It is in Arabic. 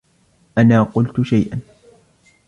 أنا قلت شيئا.